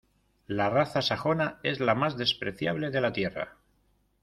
la raza sajona es la más despreciable de la tierra.